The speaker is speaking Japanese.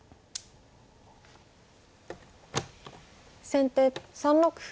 先手３六歩。